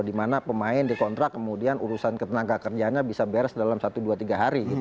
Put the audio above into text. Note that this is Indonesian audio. di mana pemain dikontrak kemudian urusan ke tenaga kerjanya bisa beres dalam satu dua tiga hari